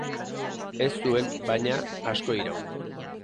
Ez zuen, baina, asko iraun.